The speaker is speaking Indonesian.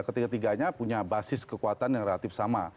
ketiga tiganya punya basis kekuatan yang relatif sama